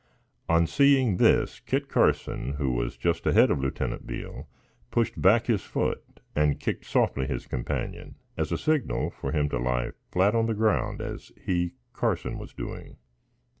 On seeing this, Kit Carson, who was just ahead of Lieutenant Beale, pushed back his foot and kicked softly his companion, as a signal for him to lie flat on the ground as he (Carson) was doing.